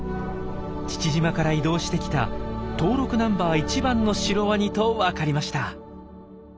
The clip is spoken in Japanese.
父島から移動してきた登録ナンバー１番のシロワニとわかりました。